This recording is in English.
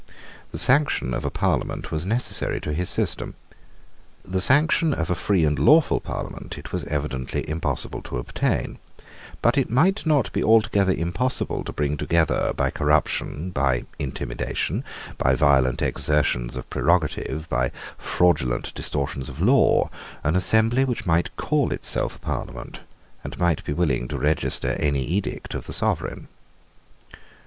The sanction of a Parliament was necessary to his system. The sanction of a free and lawful Parliament it was evidently impossible to obtain: but it might not be altogether impossible to bring together by corruption, by intimidation, by violent exertions of prerogative, by fraudulent distortions of law, an assembly which might call itself a Parliament, and might be willing to register any edict of the Sovereign.